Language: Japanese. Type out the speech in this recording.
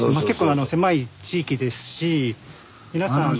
狭い地域ですし皆さん。